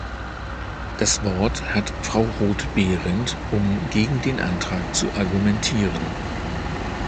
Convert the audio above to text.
Das Wort hat Frau Roth-Behrendt, um gegen den Antrag zu argumentieren.